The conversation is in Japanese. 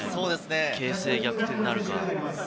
形勢逆転なるか？